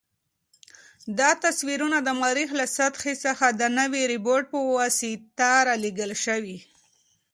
دا تصویرونه د مریخ له سطحې څخه د نوي روبوټ په واسطه رالېږل شوي.